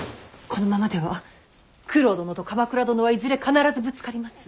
このままでは九郎殿と鎌倉殿はいずれ必ずぶつかります。